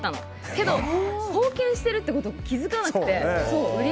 けど、売り上げに貢献してるってことに気づかなくて。